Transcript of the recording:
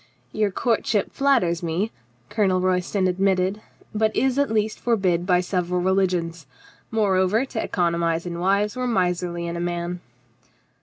"Your courtship flatters me," Colonel Royston ad mitted, "but is at least forbid by several religions. Moreover, to economize in wives were miserly in a man."